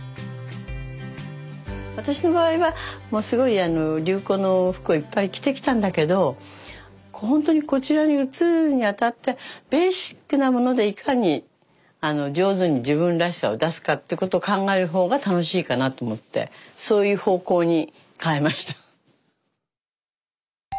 私の場合はもうすごい流行の服をいっぱい着てきたんだけどほんとにこちらに移るにあたってベーシックなものでいかに上手に自分らしさを出すかってことを考える方が楽しいかなと思ってそういう方向に変えました。